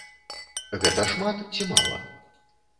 Гэта шмат ці мала?